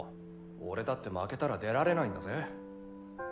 俺だって負けたら出られないんだぜ。